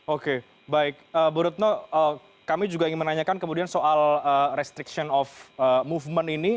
oke baik bu retno kami juga ingin menanyakan kemudian soal restriction of movement ini